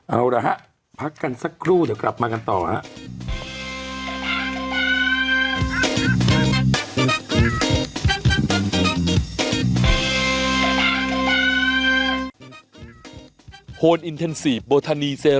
เอาละฮะพักกันสักครู่เดี๋ยวกลับมากันต่อครับ